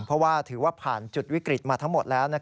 เพราะว่าถือว่าผ่านจุดวิกฤตมาทั้งหมดแล้ว